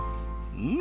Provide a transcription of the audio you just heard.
うん！